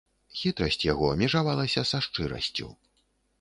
Хітрасць яго межавалася са шчырасцю.